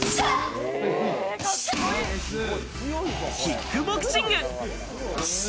キックボクシング。